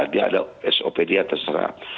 dia ada sop dia terserah